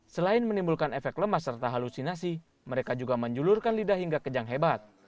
selain menimbulkan efek lemas serta halusinasi mereka juga menjulurkan lidah hingga kejang hebat